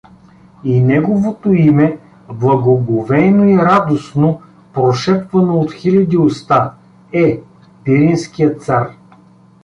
И неговото име, благоговейно и радостно прошепвано от хиляди уста, е: Пиринският цар.